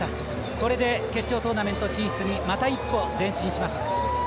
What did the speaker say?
これで決勝トーナメント進出にまた一歩、前進しました。